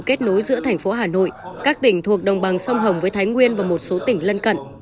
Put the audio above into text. kết nối giữa thành phố hà nội các tỉnh thuộc đồng bằng sông hồng với thái nguyên và một số tỉnh lân cận